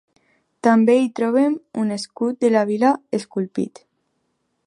També hi trobem un escut de la vila esculpit.